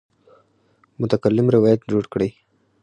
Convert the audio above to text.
متکلم روایت جوړ کړی.